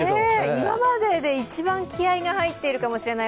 今までで一番気合いが入っているかもしれない。